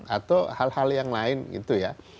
atau hal hal yang lain gitu ya